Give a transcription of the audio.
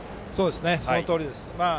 そのとおりですね。